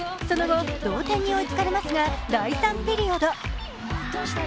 その後、同点に追いつかれますが第３ピリオド。